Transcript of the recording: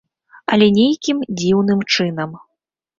Але нейкім дзіўным чынам.